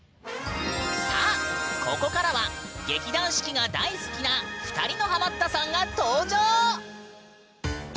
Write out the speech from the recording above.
さあここからは劇団四季が大好きな２人のハマったさんが登場！